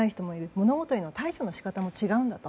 物事への対処の仕方も違うんだと。